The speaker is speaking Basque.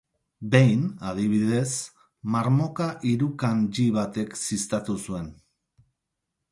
Behin, adibidez, marmoka irukandji batek ziztatu zuen.